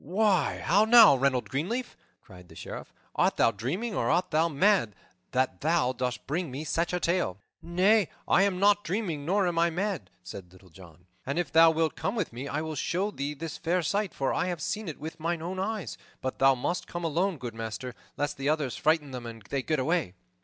"Why, how now, Reynold Greenleaf," cried the Sheriff, "art thou dreaming or art thou mad, that thou dost bring me such, a tale?" "Nay, I am not dreaming nor am I mad," said Little John, "and if thou wilt come with me, I will show thee this fair sight, for I have seen it with mine own eyes. But thou must come alone, good master, lest the others frighten them and they get away."